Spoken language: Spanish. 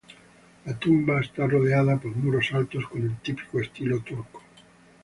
La tumba está rodeada por muros altos, con el típico estilo turco.